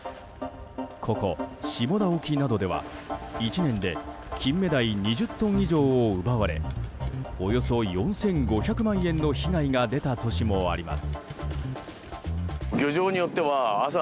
ここ、下田沖などでは１年でキンメダイ２０トン以上を奪われおよそ４５００万円の被害が出た年もあります。